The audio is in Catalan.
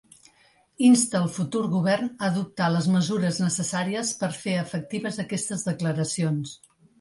Insta el futur govern a adoptar les mesures necessàries per fer efectives aquestes declaracions.